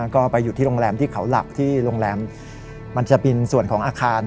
ก็ไปอยู่ที่โรงแรมที่เขาหลักที่โรงแรมมันจะเป็นส่วนของอาคาร